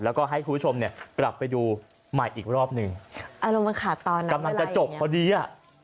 แล้วก็ให้ผู้ชมเนี่ย